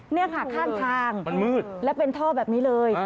นี่ค่ะข้างทางมันมืดแล้วเป็นท่อแบบนี้เลย